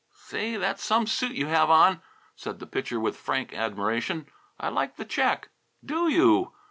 "Say, that's some suit you have on," said the Pitcher with frank admiration. "I like that check." "Do you?"